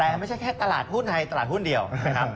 แต่ไม่ใช่แค่ตลาดหุ้นไทยตลาดหุ้นเดียวนะครับ